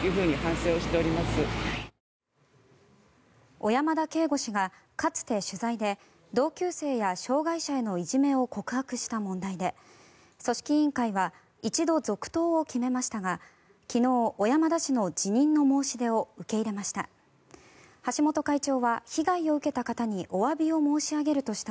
小山田圭吾氏がかつて取材で同級生や障害者へのいじめを告白した問題で組織委員会は一度、続投を決めましたが昨日、小山田氏の辞任の申し出を受け入れました。